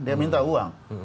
dia minta uang